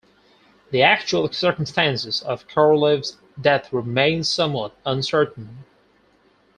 The actual circumstances of Korolev's death remain somewhat uncertain.